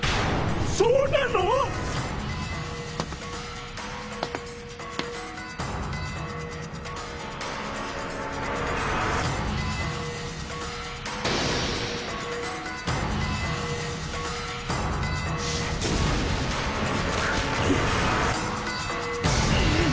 そうなの⁉ふんっ！